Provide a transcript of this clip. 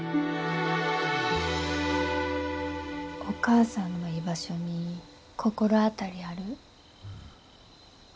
お母さんの居場所に心当たりある？